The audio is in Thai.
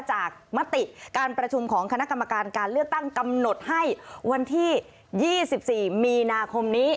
มติการประชุมของคณะกรรมการการเลือกตั้งกำหนดให้วันที่๒๔มีนาคมนี้